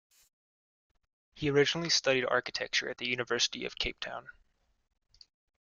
He originally studied architecture at the University of Cape Town.